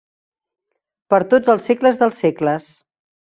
Per tots els segles dels segles.